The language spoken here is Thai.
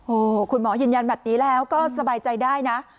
โอ้โหคุณหมอยืนยันแบบนี้แล้วก็สบายใจได้นะ